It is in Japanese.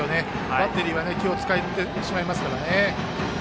バッテリーは気を使ってしまいますからね。